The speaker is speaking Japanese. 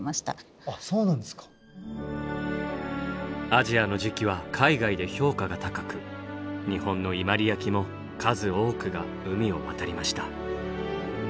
アジアの磁器は海外で評価が高く日本の伊万里焼も数多くが海を渡りました。